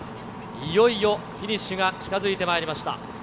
いよいよフィニッシュが近づいてまいりました。